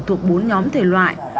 thuộc bốn nhóm thể loại